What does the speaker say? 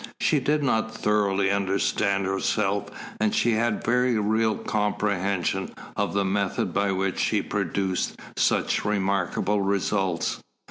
She did not thoroughly understand herself and she had very little real comprehension of the method by which she produced such remarkable results.